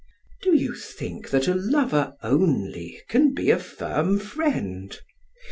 Do you think that a lover only can be a firm friend?